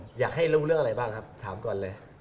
อยากให้รู้เรื่องอะไรบ้างครับถามก่อนเลย